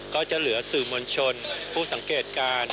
ก็จะเหลือสื่อมวลชนผู้สังเกตการณ์